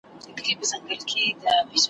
چي په شا یې د عیبونو ډک خورجین دی ,